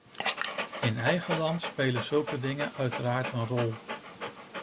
In eigen land spelen zulke dingen uiteraard een rol.